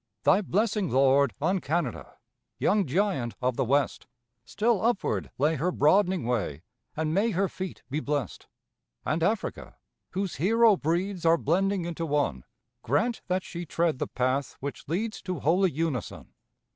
Thy blessing, Lord, on Canada, Young giant of the West, Still upward lay her broadening way, And may her feet be blessed! And Africa, whose hero breeds Are blending into one, Grant that she tread the path which leads To holy unison.